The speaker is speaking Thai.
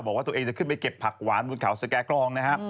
บอกว่าตัวเองจะขึ้นไปเก็บผักหวานบนเขาสแก่กรองนะฮะ